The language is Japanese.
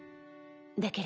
だけれど。